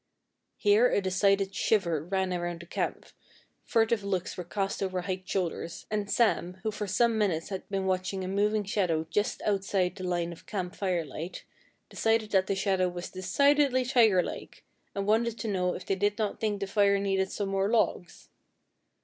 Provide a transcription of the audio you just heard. Here a decided shiver ran around the camp, furtive looks were cast over hiked shoulders, and Sam, who for some minutes had been watching a moving shadow just outside the line of camp firelight, decided that the shadow was decidedly tigerlike, and wanted to know if they did not think the fire needed some more logs.